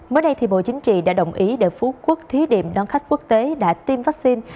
mới đây thì bộ chính trị đã đồng ý để phú quốc thí điểm đón khách quốc tế đã tiêm vaccine